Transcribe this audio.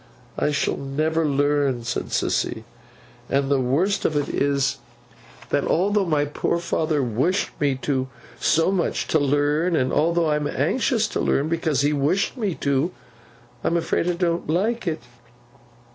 I shall never learn,' said Sissy. 'And the worst of all is, that although my poor father wished me so much to learn, and although I am so anxious to learn, because he wished me to, I am afraid I don't like it.